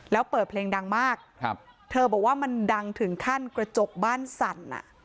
แล้วเปิดเพลงดังมากเธอบอกว่ามันดังถึงขั้นกระจกบ้านสั่น